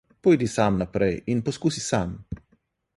Pojdi sam naprej in poskusi sam.